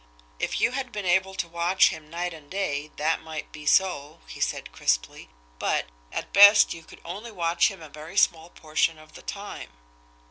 "If you had been able to watch him night and day, that might be so," he said crisply. "But, at best, you could only watch him a very small portion of the time."